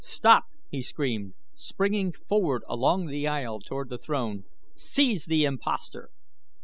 "Stop!" he screamed, springing forward along the aisle toward the throne. "Seize the impostor!"